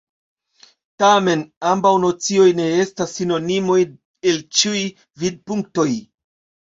Tamen, ambaŭ nocioj ne estas sinonimoj el ĉiuj vidpunktoj.